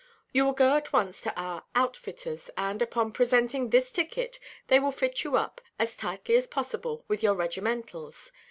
You will go at once to our outfitters, and, upon presenting this ticket, they will fit you up, as tightly as possible, with your regimentals.